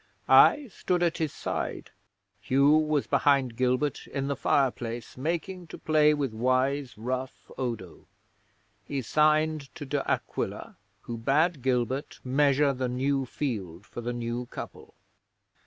I stood at his side; Hugh was behind Gilbert in the fireplace making to play with wise rough Odo. He signed to De Aquila, who bade Gilbert measure the new field for the new couple.